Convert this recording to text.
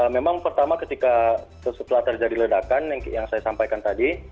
memang pertama ketika setelah terjadi ledakan yang saya sampaikan tadi